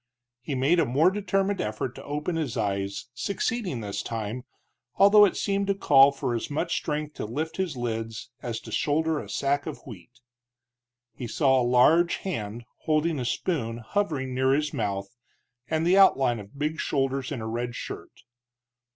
He made a more determined effort to open his eyes, succeeding this time, although it seemed to call for as much strength to lift his lids as to shoulder a sack of wheat. He saw a large hand holding a spoon hovering near his mouth, and the outline of big shoulders in a red shirt.